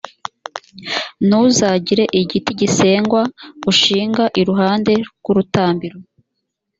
ntuzagire igiti gisengwa ushinga iruhande rw’urutambiro